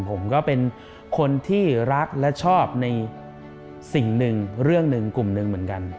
ผมก็เป็นคนที่รักและชอบในสิ่งหนึ่งเรื่องหนึ่งกลุ่มหนึ่งเหมือนกัน